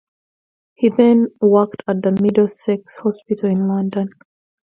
He then worked at the Middlesex Hospital in London.